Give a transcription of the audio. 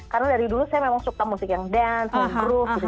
karena dari dulu saya memang suka musik yang dance groove